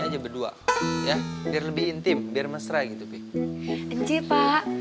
aja berdua ya biar lebih intim biar mesra gitu pak inji pak